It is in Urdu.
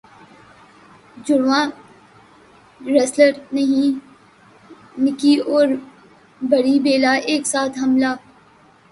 جڑواں ریسلر بہنیں نکی اور بری بیلا ایک ساتھ حاملہ